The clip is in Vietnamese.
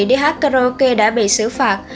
đi hát karaoke đã bị xử phạt